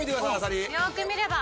よく見れば。